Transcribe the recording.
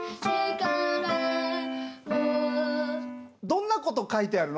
どんなこと書いてあるの？